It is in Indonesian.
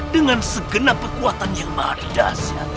dengan segenap kekuatan yang madas